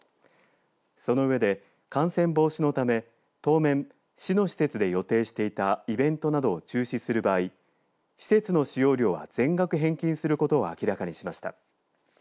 その上で、感染防止のため当面、市の施設で予定していたイベントなどを中止する場合施設の使用料は全額返金することも明らかにしました。